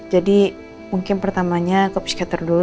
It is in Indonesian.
jadi mungkin pertamanya ke psikiater dulu